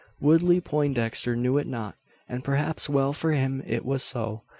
Woodley Poindexter knew it not; and perhaps well for him it was so.